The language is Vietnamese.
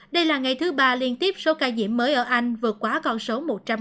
đây là ngày thứ ba liên tiếp số ca nhiễm mới ở anh vượt quá con số một trăm năm mươi